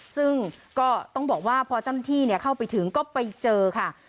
ซึ่งก็ต้องบอกว่าพอเจ้าหน้าที่เข้าไปถึงก็ไปเจอค่ะ